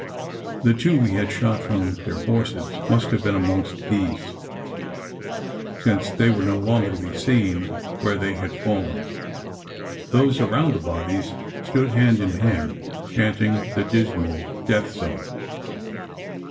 The two we had shot from their horses must have been amongst these: since they were no longer to be seen where they had fallen. Those around the bodies stood hand in hand chanting the dismal death song.